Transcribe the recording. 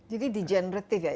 jadi degenerative ya